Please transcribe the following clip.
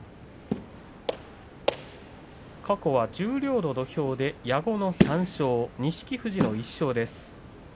過去は十両の土俵で矢後の３勝、錦富士の１勝です。